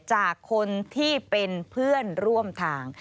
จากคนที่เป็นเพื่อนร่วมทาง